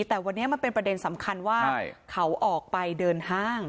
แต่วันนี้มันเป็นประเด็นสำคัญว่าเขาออกไปเดินห้าง